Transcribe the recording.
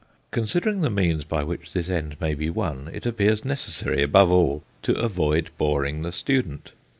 Considering the means by which this end may be won, it appears necessary above all to avoid boring the student.